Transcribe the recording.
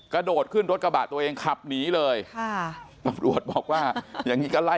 กระโดดขึ้นรถกระบะตัวเองขับหนีเลย